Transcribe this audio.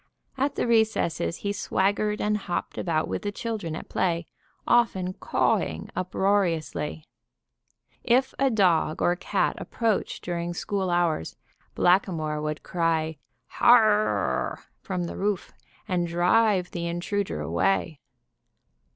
At the recesses he swaggered and hopped about with the children at play, often cawing uproariously. If a dog or cat approached during school hours, Blackamoor would cry, "Har r r!" from the roof, and drive the intruder away.